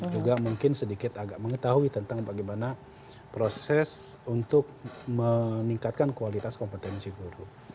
juga mungkin sedikit agak mengetahui tentang bagaimana proses untuk meningkatkan kualitas kompetensi guru